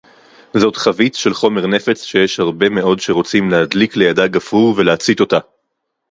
זאת חבית של חומר נפץ שיש הרבה מאוד שרוצים להדליק לידה גפרור ולהצית אותה